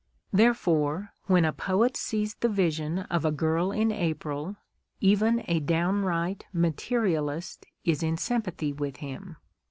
Therefore when a poet sees the vision of a girl in April, even a downright materialist is in sympathy with him.